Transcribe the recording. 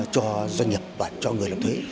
cho doanh nghiệp và cho người nộp thuế